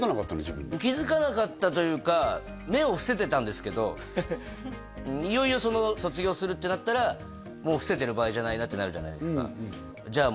自分で気づかなかったというかいよいよ卒業するってなったらもう伏せてる場合じゃないなってなるじゃないですかじゃあ